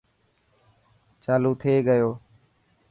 چالو ٿي گيو.